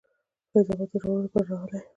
فیض آباد د ژغورلو لپاره راغلی یم.